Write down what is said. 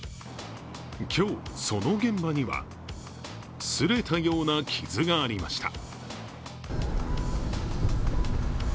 今日、その現場には、すれたような傷がありました。